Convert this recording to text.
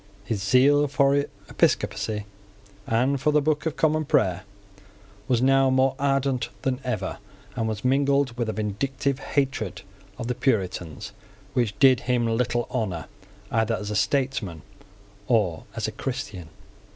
His zeal for Episcopacy and for the Book of Common Prayer was now more ardent than ever, and was mingled with a vindictive hatred of the Puritans, which did him little honour either as a statesman or as a Christian.